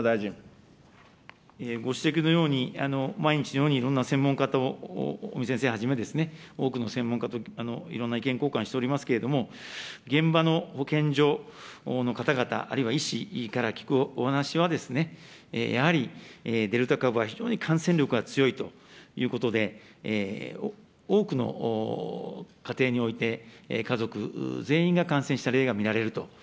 ご指摘のように、毎日のようにいろんな専門家と尾身先生はじめ、多くの専門家といろんな意見交換しておりますけれども、現場の保健所の方々、あるいは医師から聞くお話は、やはり、デルタ株は非常に感染力が強いということで、多くの家庭において、家族全員が感染した例が見られると。